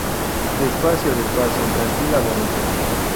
despacio. despacio. tranquila, bonita.